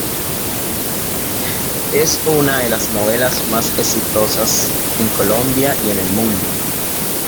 Es una de las Novelas más exitosas en Colombia y en el mundo.